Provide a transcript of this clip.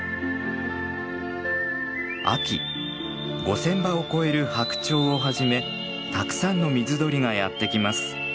秋５，０００羽を超えるハクチョウをはじめたくさんの水鳥がやって来ます。